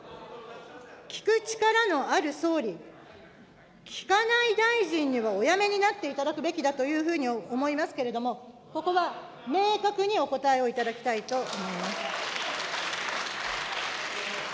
聞く力のある総理、聞かない大臣にはお辞めになっていただくべきだというふうに思いますけれども、ここは明確にお答えをいただきたいと思います。